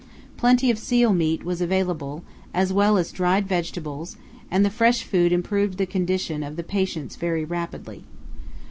Plenty of seal meat was available, as well as dried vegetables, and the fresh food improved the condition of the patients very rapidly.